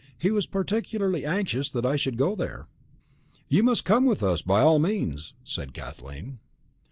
He was particularly anxious that I should go there." "You must come with us, by all means," said Kathleen.